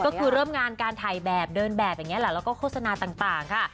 ก็คือเริ่มงานการถ่ายแบบเดินแบบอย่างนี้แหละแล้วก็โฆษณาต่างค่ะ